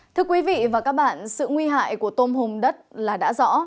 thưa quý vị và các bạn sự nguy hại của tôm hùm đất là đã rõ